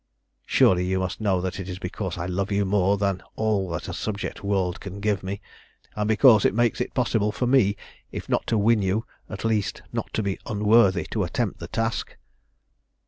Surely you must know that it is because I love you more than all that a subject world can give me, and because it makes it possible for me, if not to win you, at least not to be unworthy to attempt the task?"